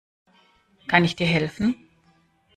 Kann ich dir helfen?